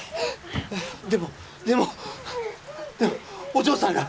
でもでもでもお嬢さんが